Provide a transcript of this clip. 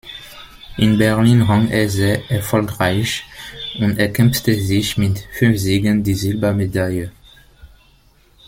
In Berlin rang er sehr erfolgreich und erkämpfte sich mit fünf Siegen die Silbermedaille.